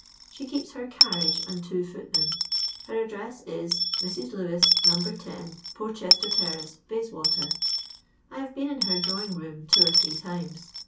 She keeps her carriage and two footmen; her address is, Mrs. Lewis, No. 10, Forchester ter race, Bayswater. I have been in her draw ing room two or three times.